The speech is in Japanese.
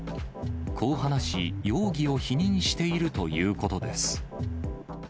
こう話し、容疑を否認しているということです。